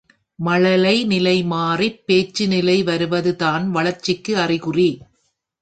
மழலை நிலை மாறிப் பேச்சு நிலை வருவதுதான் வளர்ச்சிக்கு அறிகுறி.